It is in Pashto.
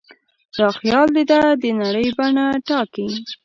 دا خیال د ده د نړۍ بڼه ټاکي.